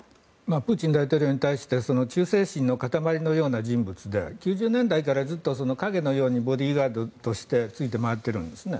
プーチン大統領に対して忠誠心の塊のような人物で９０年代から、ずっと影のようにボディーガードとしてついて回ってるんですね。